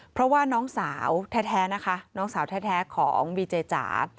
เพราะว่าน้องสาวแท้นะคะน้องสาวแท้ของบีเจจ๋า